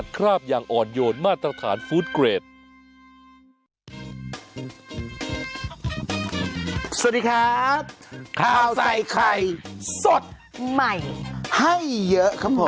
ข้าวใส่ไข่สดใหม่ให้เยอะครับผม